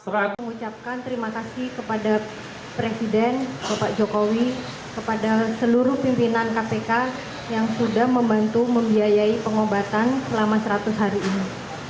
saya mengucapkan terima kasih kepada presiden bapak jokowi kepada seluruh pimpinan kpk yang sudah membantu membiayai pengobatan selama seratus hari ini